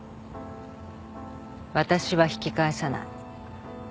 私は引き返さない。